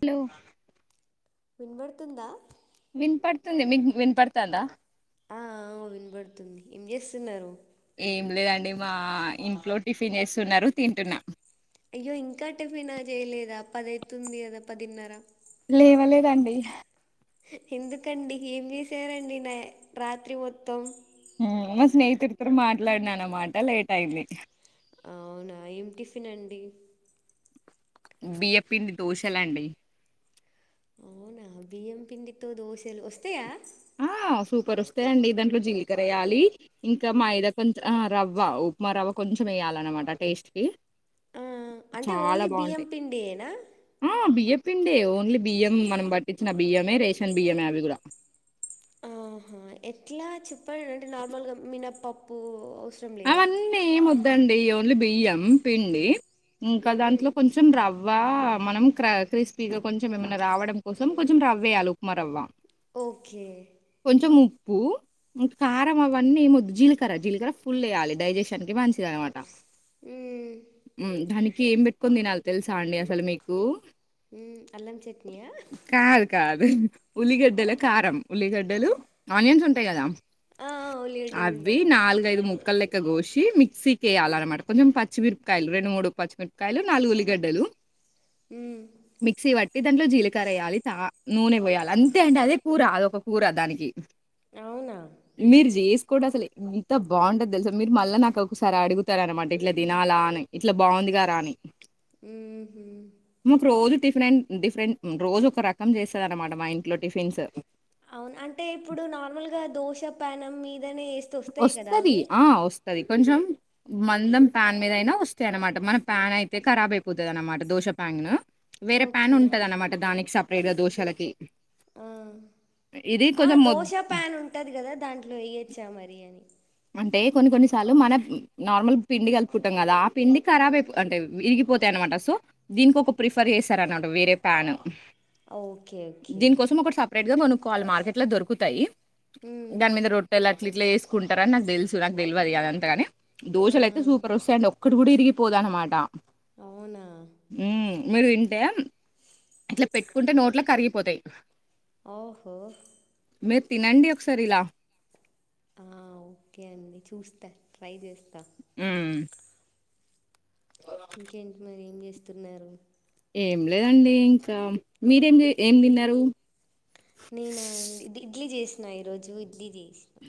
Hello వినబడుతుందా విన్పడుతుంది మీకు విన్పడుతందా ఆ అవు వినపడుతుంది ఏం చేస్తున్నారు ఏం లేదండి మా ఇంట్లో టిఫిన్ చేస్తున్నారు తింటున్నా అయ్యో ఇంకా టిఫిను చేయలేదా పది అయితుంది కదా పదిన్నర లేవ లేదండి ఎందుకండి ఏం చేసారండి నా రాత్రి మొత్తం హ్మ్ మా స్నేహితుడితో మాట్లాడినా అన్నమాట లేట్ అయింది అవునా ఏం టిఫిన్ అండి బియ్యపిండి దోశ లండి అవునా బియ్యం పిండితో దోశలు వస్తాయా ఆ సూపర్ వస్తాయండి దాంట్లో జీలకర్ర వేయాలి ఇంకా మైద కొంచెం రవ్వ ఉప్మా రవ్వ కొంచెం వేయాలన్నమాట టేస్ట్ కి ఆ అంటే చాలా ఓన్లీ బియ్యం బాగుంటాయి పిండి యేనా ఆ బియ్య పిండే ఓన్లీ బియ్యం మనం పట్టించిన బియ్యమే రేషన్ బియ్యమే అవి కూడా ఆహా ఎట్లా చప్ ఇప్పటంటే నార్మల్గా మినప్ప ప్పు అవన్నీ ఏమోద్ అదండి ఓన్లీ బియ్యం పిండి ఇంకా మ్మ్. దాంట్లో కొంచెం రవ్ వా మనం క్ర క్రిస్పీగా కొంచెం ఏమైనా రావడం కోసం కొంచెం రవ్వేయాలి ఉప్మా రవ్వ ఓకే కొంచెం ఉప్పు కారం అవన్నీ ఏమద్దు జీలకర్ర జీలకర్ర ఫుల్ వయాలి డైజెషన్ కి మంచిది అనమాట మ్మ్. హ్మ్ ధని ఏం పెట్టుకోని తినాలి తెలుసా అండి అసలు మీకు హ్మ్ అల్లం చట్నీయా కాదు కాదు. ఉల్లిగడ్డల కారం ఉల్లిగడ్డలు ఆనియన్స్ ఉంటాయి కదా ఆ ఉల్లిగడ్డలు అవి ఉంటాయి ఆ నాలుగు ఐదు ముక్కలే ఇక గోషి మిక్సీకి ఏయాలి అనమాట కొంచెం పచ్చిమిరపకాయలు రెండు మూడు పచ్చిమిరపకాయలు నాలుగు ఉల్లిగడ్డలు ఉమ్ మిక్సీ పట్టి దాంట్లో జీలకర్ర ఏయ్యాలి తా నూనె పోయాలి అంతే అండి అదే కూరా అదొ కూర దానికి అవునా కూడా అసలు ఇంత బంటది తెలుసా మీరు మళ్ళా నాకు ఒకసారి అడుగుతారూ అనమాట ఇట్లా తినాలా అని ఇట్లా బాగుందిగారా అని ఉహమ్ మాకు రోజు టిఫరెంట్ డిఫరెంట్ రోజు ఒక రకం చేస్తది అనమాట మా ఇంట్లో టిఫిన్స్ అవును మీద్ వస్తది ఆ వస్తది కొంచం మందం ప్యాన్ మీద అయినా వస్తాయి అనమాట మన ప్యాన్ అయితే కరాబ్ అయిపోతది అనమాట దోశ ప్యాన్ ను వేరే ప్యాన్ ఓకే ఉంటది అన్నమాట దానికి సప్ రేట్ గా దోషాలకి ఆ ఆ మొద్ దోశ ప్యాన్ ఉంటది కదా దాంట్లో ఏయొచ్చా మరి బిర్యానీ అంటే కొన్ని కొన్నిసార్లు మన నార్మల్ పిండి కలుపుకుంటాం కదా ఆ పిండి ఖరాబ్ అయిపో అంటే విరిగిపోతాయి అనమాట సో దీనికి ఒక ప్రిఫర్ చేసారనటూ వేరే ప్యాన్ ఓకే ఓకే దీనికోసం ఒక సపరేట్ గా కొనుకోలి మార్కెట్ లో దొరుకుతాయి ఉమ్ దాని మీద రొట్టెల ఇటిట్ల ఎస్కున్ రని నాకు తెలుసు నాకు తెల్వది అదంతగాని ఆ దోషలు అయితే ఆ సూపర్ ఓస్తాయి అండ్ ఒక్కటి కూడా వీరి టి పోదనమాటా అవునా మీరు తింటే అట్లా పెట్టుకుంటే నోట్ల కరిగిపోతాయి ఓహో మీరు తినండి ఒక సరి ఇలా ఆ ఓకే అండి చూస్తా ట్రై చేస్తా హమ్ ఇంకేంటి మరి ఏం చేస్తున్నారు ఏం లేదండి ఇంకా మీరెం చే ఏం తిన్నారు నేన అండి ఇడ్లీ చేసిన ఈ రోజు ఇడ్లీ చేసినా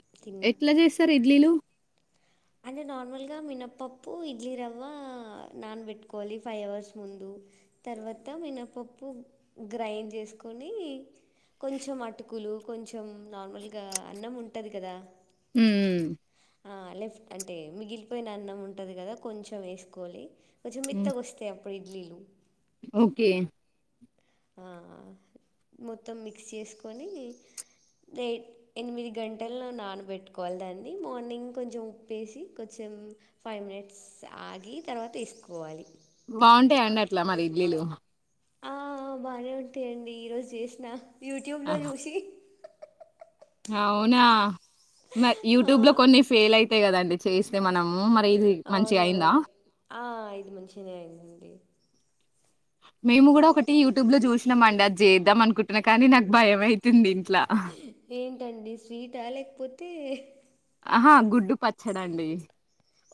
ఎట్లా చేస్తారు ఇడ్లీలు అంటే నార్మల్గా మినప్పప్పు ఇడ్లీ రవ్వ నానబెట్టుకోవాలి ఫైవ్ అవర్స్ ముందు తర్వాత మినప్పప్పు గ్రైండ్ చేసుకని కొంచెం అటుకులు కొంచెం నార్మల్గా అన్నం ఉంటది కదా హమ్ హమ్ లెఫ్ట్ అంటే మిగిలిపోయిన అన్నం ఉంటది కదా కొంచెం వేసుకోవాలి కొంచెం మేత్తగా వస్తాయి ఆప్పుడు ఇడ్లీలు ఓకే ఆహ్ మొత్తం మిక్స్ చేసుకొని ఆ ఎనిమిది గంటలు నానబెట్టుకోవాలి దాన్ని మార్నింగ్ కొంచెం ఉప్పేసి కొంచెం ఫైవ్ మినిట్స్ ఆగి తర్వాత వేసుకోవాలి బాగుంటయ అండి అట్లా మరి ఇడ్లీలు ఆ బాగానే ఉంటాయండి ఈ రోజు చేసినా యట్యూబ్లో ఆహ్! చూసి అవునా మ ఆ యూట్యూబ్ లో కొన్ని ఫెయిల్ అయితాయి కదండి చేస్తే మనం అవునవును ఆ అయింది మంచిగానే అయిందండి మేము కూడా ఒకటి యూట్యూబ్ లో చూసినామండి అది చేద్దాం అనుకుంటున్నా కానీ నాకు భయం అయితుంది ఇంట్లా ఏంటండి స్వీటా లేకపోతే ఆహా గుడ్డు పచ్చడండి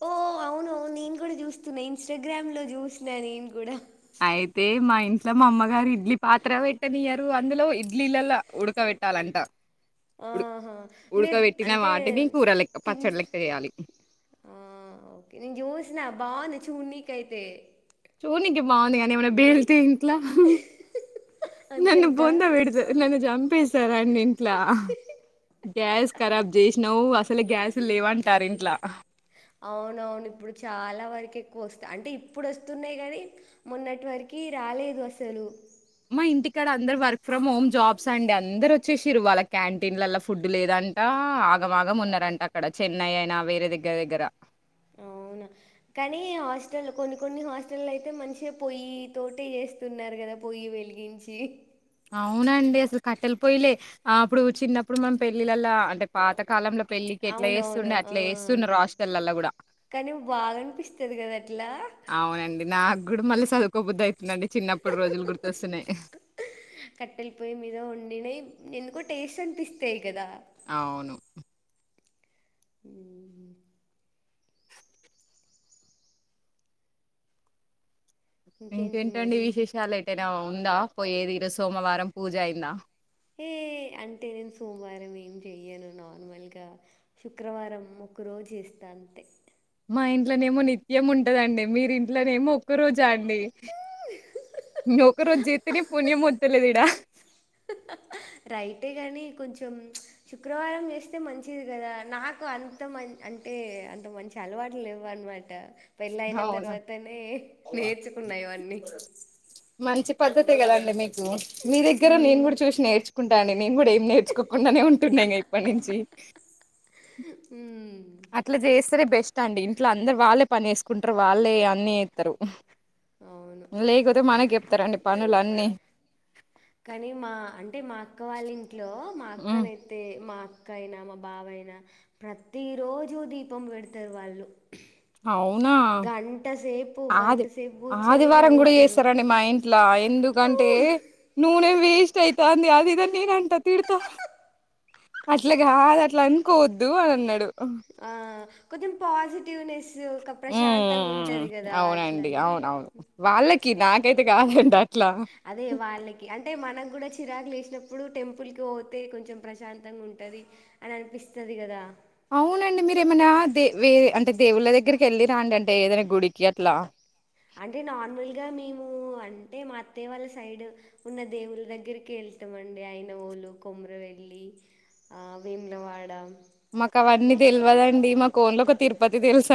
ఓ అవును అవును నేను కూడా చూస్తున్నా ఇన్స్టాగ్రామ్ లో చూసిన నేను కూడా అయితే మా ఇంట్లో మా అమ్మగారు ఇడ్లీ పాత్ర పెట్టనియరు అందులో ఇడ్లీలలా ఉడకబెట్టాలంట ఉడు ఆహా మీరు ఉడకబెట్టిన అంటే వాటిని కూర లెక్క పచ్చడి తింటే లెక్క చేయాలి ఆ ఓకే నేను చూసిన బాగుంది చూడనికి అయితే చూడనికి బాగుంది ఏమన్నా పేలితే అంతే నన్ను అంటారా? బొందపెడతారు నన్ను చంపేస్తరాండి ఇంట్లా గ్యాస్ కరాబ్ చేసినవు అసలే గ్యాస్ లేవంటారు ఇంట్లా అవునవును ఇప్పుడు చాలా వరకు ఎక్కువ వస్తా అంటే ఇప్పుడు వస్తున్నాయి కానీ మొన్నటి వరకి రాలేదు అసలు మా ఇంటికాడ అందరు వర్క్ ఫ్రమ్ హోమ్ జాబ్స్ అండి అందరు వచ్చేసిరు వాల్ల క్యాంటీన్ లా ఫుడ్ లేదంటా అగం ఆగం మున్నర అంట అక్కడ చె ఉన్నాయన వేరే దగ్గర దగ్గర అవునా కానీ హాస్టల్ కొన్ని కొన్ని హాస్టల్ అయితే మంచిగా పొయ్యి తోటే చేస్తున్నారు కదా పొయ్యి వెలిగించి అవునండి అసలు కట్టెల పోయలే అప్పుడు చిన్నప్పుడు మనం పెళ్ళిలళ్ళ అంటే పాత కాలంలో పెళ్ళికి ఎట్లా అవునవును చేస్తుండే ఆ అట్లా చేస్తున్నారు హాస్టల్లల్ల గూడా. కానీ బాగా అనిపిస్తుంది కదా అట్లా అవునండి నాకు గూడా మళ్ళీ చదుకోబుద్ద అయి అంటే చిన్నప్పుడు రోజులు గుర్తొస్తున్నాయి కట్టెల పొయ్యి మీద వండినయి ఎందుకో టేస్ట్ అనిపిస్తాయి గదా! అవును అ ఇంకేంటి ఇంకేంటండి మరి విశేషాలు లేటెనావ్ ఉందా పోయి ఏది సోమవారం పూజ అయిందా ఏ అంటే నేను సోమవారం ఏం చెయను నార్మల్గా శుక్రవారం ఒకరోజు ఇస్తా అంతే మా ఇంట్లోనేమో నిత్యం ఉంటదండి మీరి ఇంట్లోనేమో ఒక్క రోజు చండి నొకరోజు జెత్తేనేమో పుణ్యం వ తె లేదిడా రైటే కానీ కొంచెం శుక్రవారం చేస్తే మంచిది కదా నాకు అంత మ అంటే అంత మంచి అలవాటు లేవ అనమాట పెళ్ళ అయిన అవునా తర్వాతనే నేర్చుకున్నాయి అన్నీ పద్ధతి కద అండి మీకు మీ దగ్గర నేను మ్మ్. కూడా చూసి నేర్చుకుంటా అండి. నేను కూడా ఏం నేర్చుకోకుండానే ఉంటున్నా ఇంగ ఇప్పటి నుంచి హుమ్ అట్లా చేస్తే సరే బెస్ట్ అండి ఇంట్లో అందరు వాళ్ళే పని చేసుకుంటారు వాళ్ళే అన్ని ఏతరు అవును లేకోతే మనకి ఎప్ప ఇతరని పనులు అన్నీ కానీ మా అంటే మా అక్క వాళ్ళే ఇంట్లో మా హ్మ్ అక్కనైతే మా అ అక్క అయినా మా బావయినా ప్రతి రోజు దీపం పెడతారు వాళ్ళు అవునా గంట సేపు గంట ఆది సేపు కూర్చొని ఆదివారం కూడా చదువుతారు చేస్తారండి మా ఇంట్లో ఎందుకంటే నూనె వేస్ట్ అయితు అంది అది ఇద నేను అంట తిడతా అట్లాగా అది అట్లా అనుకోవద్దు అని అన్నాడు ఆ కొంచెం పోసిటివెనెస్ ఒక ప్రశాంతంగా ఉమ్ ఉంటది కదా అవునండి అట్లని అవునవును వాళ్ళకి [unintelligible] అదే వాళ్ళకి అంటే మనం కూడా చిరాకులు ఇష్ట చిన్నప్పుడు టెంపుల్కి పోతే కొంచెం ప్రశాంతంగా ఉంటుంది అని అనిపిస్తుంది కదా అవునండి మీరేమైనా దే వేరే అంటే దేవుళ్ళ దగ్గరికి వెళ్ళిరా అండి అంటే ఏదైనా గుడికి అట్లా అంటే నార్మల్గా మేము అంటే మా అత్తయ్య వాళ్ళ సైడ్ ఉన్న దేవుళ్ల దగ్గరికి వెళ్తాం అండి ఐనవోలు కొమరవెల్ళ హ వేములవాడ మాకు అవన్నీ తెలియదండి మాకు ఓన్ల ఒక తిరుపతి తెలుసు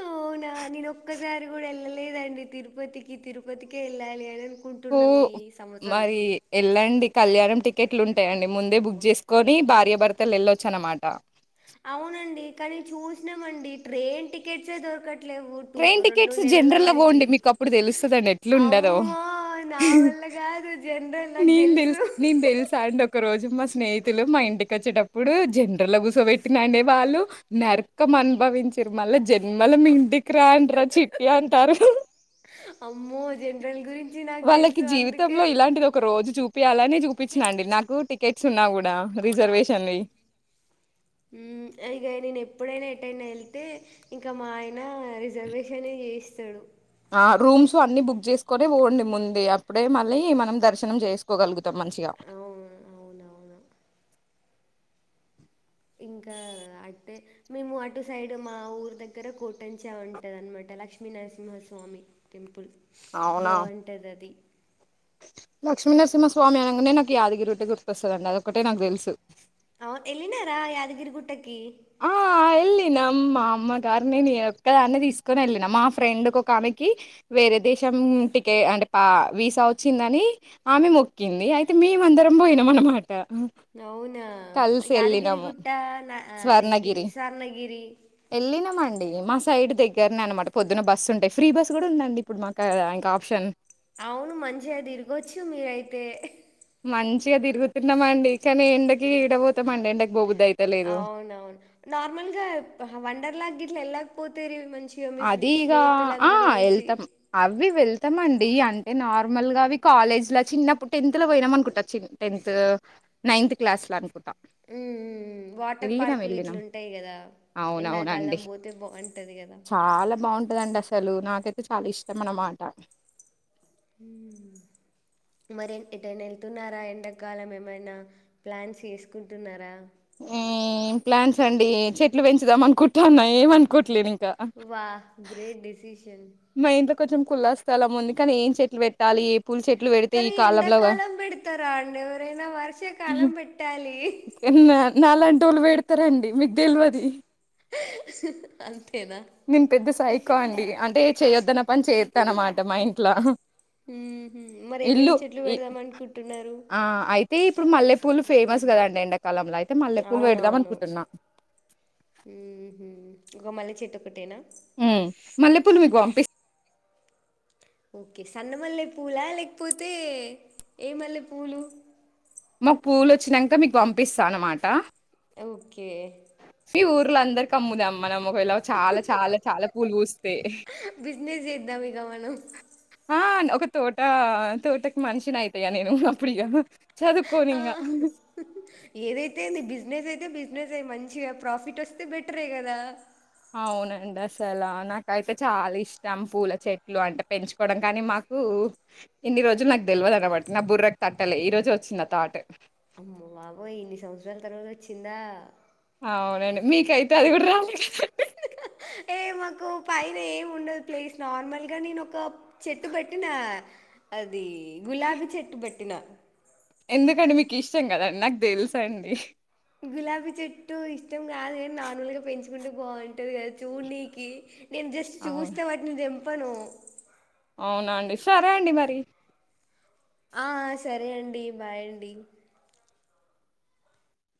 అవునా నేన ఒక్కసారి కూడా ఎల్ ల లేదాండి తిరుపతికి తిరుపతికే వేళ్లి అని హో అనుకుంటున్నాం ఈ సంవత్సరం మరి ఎళ్ళండి కళ్యాణం టికెట్లు ఉంటాయండి ముందే బుక్ చేసుకొని భార్యభర్తలు వెళ్ళొచ్చు అన్నమాట అవునండి కానీ చూసినామండి ట్రైన్ టికెట్స్ దొరకట్ లెవ్వు టు ట్రైన్ రెండు టికెట్స్ నెలల జనరల్ లో వారికి పోండి మీకు అప్పుడు తెలుస్తదండి ఎట్లుండదో అమ్మో నా వల్ల కాదు జనరల్ నాకు నేన్ తెలుసు నేన్ తెలుసా అండి ఒక రోజు మస్తు స్నేహితులు మా ఇంటికి వచ్చేటప్పుడు జనరల్ లో గుసబెట్టినే వాళ్ళు నరకం అనుభవించారు మళ్ళా జన్మల మీ ఇంటికి రాను అంటరా చిట్టి అంటారు హాహా అమ్మో జనరల్ గురించి నాకు వాళ్ళకి తెలుసు అందుకే జీవితంలో ఇలాంటిది ఒక రోజు చూపియాలని చూపించినండి నాకు టికెట్ ఉన్నా కూడా రిజర్వేషన్వి. అ గయ ని ఎప్పుడైనా ఎటెయిన వెళ్తే ఇంకా మా ఆయన రిజర్వేషన్ చేయిస్తాడు ఆ రూమ్స్ అన్ని బుక్ చేసుకుని పోండి ముందగా అప్పుడే మళ్ళీ మనం దర్శనం చేసుకోగలుగుతాం మంచిగా అవును అవునవును ఇంకా అంటే మేము అటు సైడ్ మా ఊరు దగ్గర కోటంచా ఉంటుంది అనమాట లక్ష్మీనరసింహస్వామి టెంపుల్ బాగుంటది అది లక్ష్మీనరసింహ స్వామి అనంగానే నాకు యాదగిరిగుట్ట గుర్తొస్తదండి అదొక్కటే నాకు తెలుసు అవు ఎలినారా యాదగిరి గుట్టకి ఆ వెళ్ళినాం మా అమ్మగారి నేను ఒక్క దాన్నీ తీసుకొని వెళ్ళినా. మా ఫ్రెండ్కి ఒక ఆమెకి వేరే దేశం టికెట్ అంటే పా వీసా వచ్చిందని ఆమె మొక్కింది అయితే మేమ అందరం పోయినాం అనమా అవునా యాదగిరి ఎళ్ళినాము గుట్ట నా ఆ, అదేంటిది స్వర్ణగిరి స్వర్ణగిరి ఎల్లినం మండి మ సైడ్ దగ్గరనే అనమాట పొద్దున్న బస్సు ఉంటాయి ఫ్రీ బస్ కూడా ఉందండి ఇప్పుడు మాకు ఆ ఇంకా ఆప్షన్ అవును మంచిగా తిరగొచ్చు మీరయితే హ మంచిగా తిరుగుతున్నామ్ అండి కానీ ఎండకి ఏడ పోతామండి ఎండకి పోబు అవునవును నార్మల్ గా వండర్ లాగ్ ట్ల ఏళ్ళక పోతిరి అది ఇగా ఆ వెళ్తాం అవి వెళ్ త్తంమండి అంటే నార్మల్ గా అవి కాలేజ్ల చిన్నప్పుడు టెన్త్ లో పోయినాం అనుకుంటారు టెన్త్ నైన్త్ క్లాస్ లో అనుకుం హు వాటర్ పార్కులు ఎళ్ళినాం. ఇట్లుంటాయి కదా అవునవునండి. ఎండాకాలం పోతే బాగుంటది కదా చాలా బాగుంటందండి అసలు నాకైతే చాలా ఇష్టం అన్నమాట మరి ఎటైనా వెళ్తున్నారా ఎండాకాలం ఏమైనా ప్లాన్స్ చేసుకుంటున్నారా ఏ ఏం ప్లాన్స్ అండి చెట్లు పెంచుదాం అనుకుంటాన్నా ఏమ్ అనుకోట్లే ఇం వా గ్రేట్ డిసిషన్ మా ఇంట్లో కొంచెం కుల్లా స్థలం ఉంది కానీ ఏం చెట్లు పెట్టాలి ఏం కనీ ఎండాకాలం పెడతారా అండి ఎవరైనా వర్షకాలం పెట్టాలి తరండి మీక్ తెల్వది అంతే నిన్ పెద్ద సాయికి కోండి అన్ అదే చేయొద్దన పని చే కనమాట మా ఇంట్లా ఉ మరీ ఏమేం చెట్లు ఇ పెడదాం అనుకుంటున్నారు పుల్ ఫేమస్ కదండి ఎండాకాలంలో అయి అవునవును ఒక మళ్ళీ చెట్టు ఒకటేనా మ్ మల్లెపుూలు మీకు పంపి ఓకే సన్నమల్లె పూలా లేకపోతే ఏ మల్లె పూలు మాకు పూవ్లు వచ్చినంక మీకు పంపిస్తా అన్నమాట ఓకే మీ ఊర్లో అందరు కమ్ముదామ్ మనం ఒకలా చాలా చాలా చాలా పూలు పూస్తే బిజినెస్ చేద్దాం ఇగ మనం ఆ ఒక తోట తోటకి మనిషినీ ఐత ఇగా నేను అప్పుడు ఇగ ఆ ఏదైతే ఏంది బిస్ నెస్ అయితే బిజినెస్ ఏ, మంచిగా ప్రాఫిట్ వస్తే బెటరే కదా. అవునండి అసల నాకైతే చాలా ఇష్టం పూల చెట్లు అంటే పెంచుకోవడం కానీ, మాకు ఇన్ని రోజులు నాకు తెలవదన్నమాట నా బుర్రకు తట్టలే ఈ రోజె వచ్చింది ఆ తాటు. బాబోయ్ ఇన్ని సంవత్సరాల తర్వాత వచ్చిందా. అవునండి మీకైతే అది కూడా రాలే కదండి ఏ మాకు పైన ఏమి ఉండదు ప్లేస్ నార్మల్గా నేను ఒక చెట్టు పెట్టినా ఆ అది గులాబీ చెట్టు పెట్టి న ఎందుకండి మీకు ఇష్టం కదండి నాకు తెలుస అండి. గులాబీ చెట్టు ఇష్టం కాదు గని నార్మల్గా పెంచుకుంటే బాగుంటుంది కదా చూడ్నికి నేను జస్ట్ అవును చూస్తే వాటిని తెమ్ పను అవునా అండి, సరే అండి మరి. ఆ సరే అండి, బాయ్ అండి.